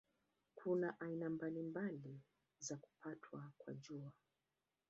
Kuna aina mbalimbali za kupatwa kwa Jua.